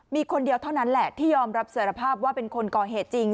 มีคนเดียวเท่านั้นแหละที่ยอมรับสารภาพว่าเป็นคนก่อเหตุจริง